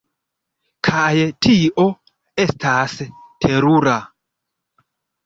Kaj tio estas terura!